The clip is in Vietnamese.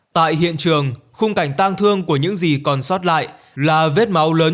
tại hiện trường khung cảnh tang thương của những gì còn sót lại là vết máu